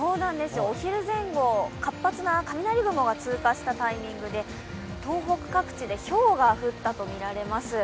お昼前後、活発な雷雲が通過したタイミングで東北各地でひょうが降ったとみられます。